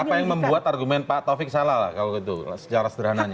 apa yang membuat argumen pak taufik salah lah kalau gitu secara sederhananya